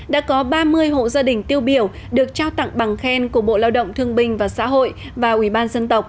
đã có ba mươi hộ gia đình tiêu biểu được trao tặng bằng khen của bộ lao động thương bình và xã hội và ubnd